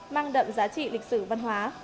mang đậm giá trị lịch sử văn hóa